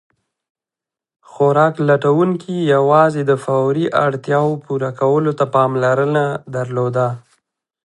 خوراک لټونکي یواځې د فوري اړتیاوو پوره کولو ته پاملرنه درلوده.